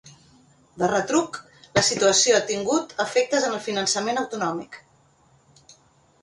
De retruc, la situació ha tingut efectes en el finançament autonòmic.